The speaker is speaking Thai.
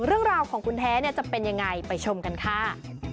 เรื่องราวของคุณแท้จะเป็นยังไงไปชมกันค่ะ